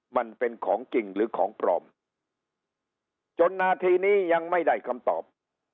มันเป็นของจริงหรือของปลอมจนนาทีนี้ยังไม่ได้คำตอบ